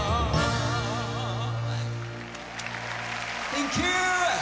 センキュー！